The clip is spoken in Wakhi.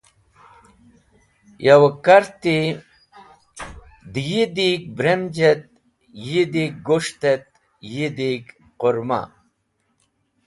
Yowe karti dẽ yi dig bremj et yi dig gus̃ht et yi deg qũrma.